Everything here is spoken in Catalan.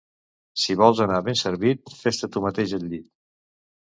Si vols anar ben servit, fés-te tu mateix el llit